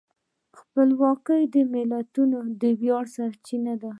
خپلواکي د ملتونو د ویاړ سرچینه ده.